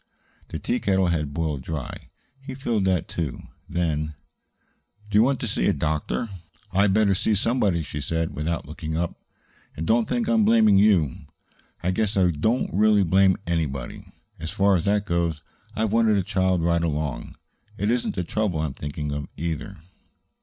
The tea kettle had boiled dry. He filled that, too. Then: "Do you want to see a doctor?" "I'd better see somebody," she said, without looking up. "And don't think I'm blaming you. I guess I don't really blame anybody. As far as that goes, I've wanted a child right along. It isn't the trouble I am thinking of either."